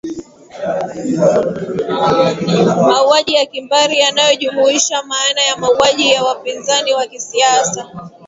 mauaji ya kimbari yanajumuisha maana ya mauaji ya wapinzani wa kisiasa